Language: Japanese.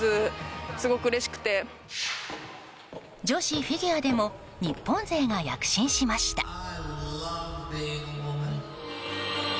女子フィギュアでも日本勢が躍進しました。